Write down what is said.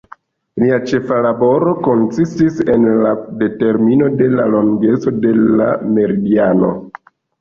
Lia ĉefa laboro konsistis en la determino de la longeco de la meridiano.